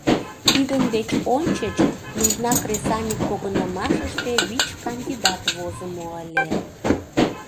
Тидын деч ончыч нужна кресаньык погынымашыште вич кандидат возымо ыле.